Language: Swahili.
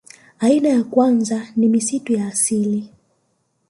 Aina ya kwanza ni misitu ya asili